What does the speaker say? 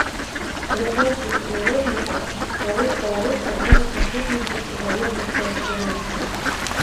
У японскіх іерогліфах кароткая рыса можа прысутнічаць у залежнасці ад шрыфту.